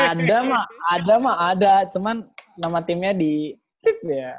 ada mah ada mah ada cuman nama timnya di